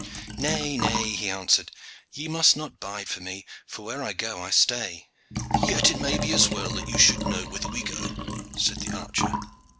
"Nay, nay," he answered; "ye must not bide for me, for where I go I stay." "Yet it may be as well that you should know whither we go," said the archer.